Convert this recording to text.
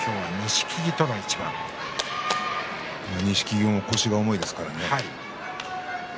錦木も腰が重いですからね。